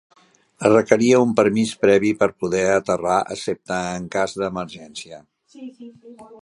Es requeria un permís previ per poder aterrar excepte en cas d'emergència.